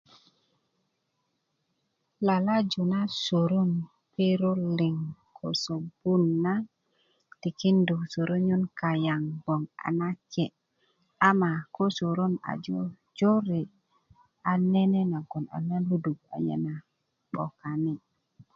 lalaju na soron perok liŋ ko sobun na tikindu soronyön kayaŋ bgoŋ a nake ama ko soron a jo jore a nene nagon a na luduk a nye na 'bokani